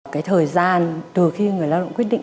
cái thời gian từ khi người lao động quyết định